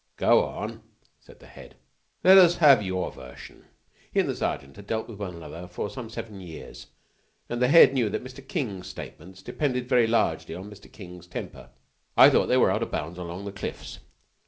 "Go on," said the Head. "Let us have your version." He and the Sergeant had dealt with one another for some seven years; and the Head knew that Mr. King's statements depended very largely on Mr. King's temper. "I thought they were out of bounds along the cliffs.